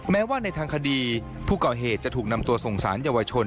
แม้ว่าในทางคดีผู้ก่อเหตุจะถูกนำตัวส่งสารเยาวชน